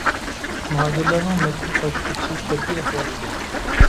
مۇھاجىرلارنىڭ مەككىگە قايتىپ كېتىشى تەبىئىي ئەھۋال ئىدى.